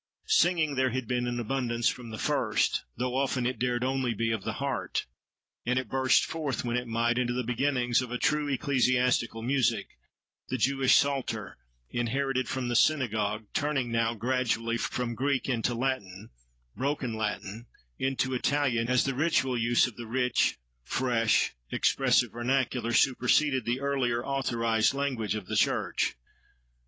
Singing there had been in abundance from the first; though often it dared only be "of the heart." And it burst forth, when it might, into the beginnings of a true ecclesiastical music; the Jewish psalter, inherited from the synagogue, turning now, gradually, from Greek into Latin—broken Latin, into Italian, as the ritual use of the rich, fresh, expressive vernacular superseded the earlier authorised language of the Church.